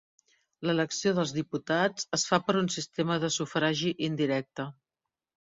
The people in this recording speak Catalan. L'elecció dels diputats es fa per un sistema de sufragi indirecte.